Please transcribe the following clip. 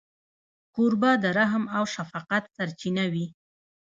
کوربه د رحم او شفقت سرچینه وي.